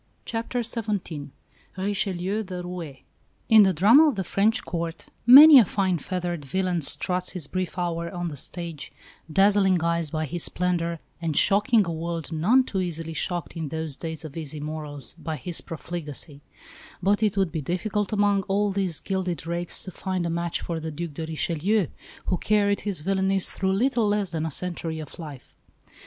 CHAPTER XVII RICHELIEU, THE ROUÉ In the drama of the French Court many a fine feathered villain "struts his brief hour" on the stage, dazzling eyes by his splendour, and shocking a world none too easily shocked in those days of easy morals by his profligacy; but it would be difficult among all these gilded rakes to find a match for the Duc de Richelieu, who carried his villainies through little less than a century of life.